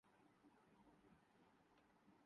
اسے سنبھالنا کسی کے بس میں نہ تھا